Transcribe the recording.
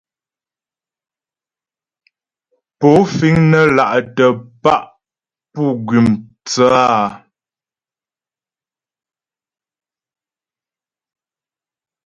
Pó fíŋ nə́ là'tə̀ pá' pú gʉ́m tsə́ a ?